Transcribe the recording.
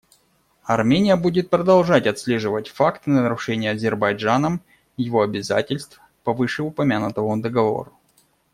Армения будет продолжать отслеживать факты нарушения Азербайджаном его обязательств по вышеупомянутому Договору.